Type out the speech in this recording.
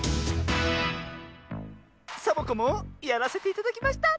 サボ子もやらせていただきました！